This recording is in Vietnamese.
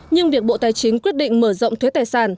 nhưng việc bộ tài chính quyết định mở rộng thuế tài sản